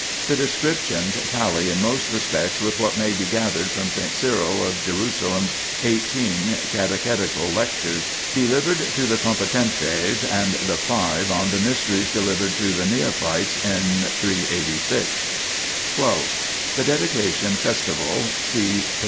The descriptions tally in most respects with what may be gathered from S. Cyril of Jerusalem's eighteen Catechetical Lectures delivered to the com petentes and the five on the Mysteries delivered to the neophytes in 386. 12. The Dedication Festival : see p.